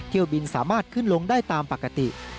เที่ยวบินสามารถขึ้นลงได้ตามปกติ